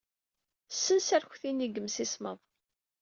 Ssens arekti-nni deg yimsismeḍ.